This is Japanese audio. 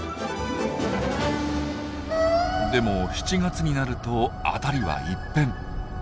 でも７月になると辺りは一変。